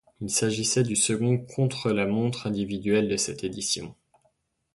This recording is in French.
Il s'agissait du second contre-la-montre individuel de cette édition.